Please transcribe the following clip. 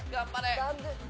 残念。